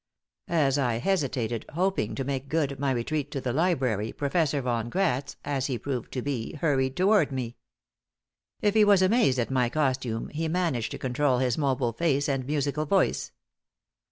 As I hesitated, hoping to make good my retreat to the library, Professor Von Gratz as he proved to be hurried toward me. If he was amazed at my costume, he managed to control his mobile face and musical voice.